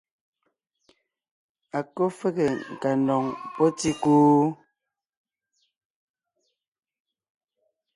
A kɔ́ fege nkandoŋ pɔ́ tíkú?